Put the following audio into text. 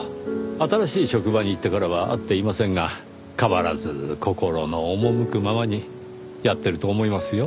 新しい職場に行ってからは会っていませんが変わらず心の赴くままにやってると思いますよ。